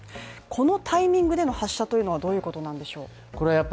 このタイミングでの発射というのはどういうことなんでしょう？